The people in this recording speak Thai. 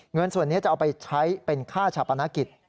เงินส่วนนี้จะเอาไปใช้เป็นค่าชาปนกิจ